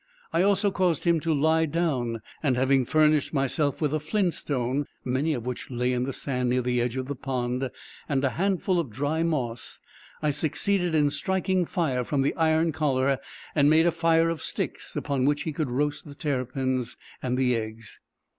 I also caused him to lie down, and having furnished myself with a flint stone, (many of which lay in the sand near the edge of the pond) and a handful of dry moss, I succeeded in striking fire from the iron collar, and made a fire of sticks, upon which he could roast the terrapins and the eggs.